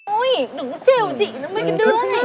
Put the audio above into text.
ôi đừng có trêu chị nó mấy cái đứa này